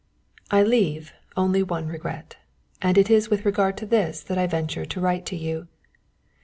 I leave only one regret, and it is with regard to this that I venture to write to you.